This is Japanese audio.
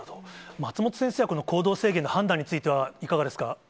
松本先生は、この行動制限の判断については、いかがですか。